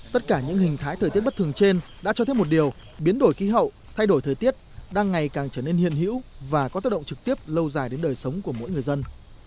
tất cả những hình thái thời tiết bất thường trên đã cho thấy một điều biến đổi khí hậu thay đổi thời tiết đang ngày càng trở nên hiện hữu và có tác động trực tiếp lâu dài đến đời sống của mỗi người dân